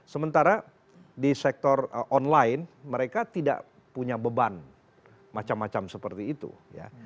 sementara di sektor online mereka tidak punya beban macam macam seperti itu ya